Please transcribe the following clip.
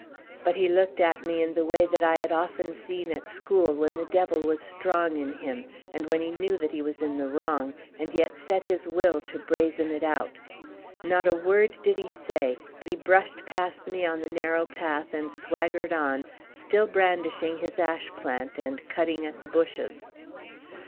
But he looked at me in the way that I had often seen at school when the devil was strong in him, and when he knew that he was in the wrong, and yet set his will to brazen it out. Not a word did he say, but he brushed past me on the narrow path and swaggered on, still brandishing his ash plant and cutting at the bushes.